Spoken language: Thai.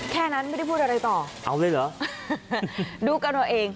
แค่นั้นไม่ได้พูดอะไรต่อเอาเลยเหรอดูกันเอาเอง